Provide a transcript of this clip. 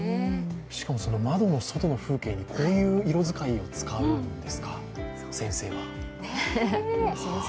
しかも窓の外の風景にこういう色使いを使うんですか、先生は。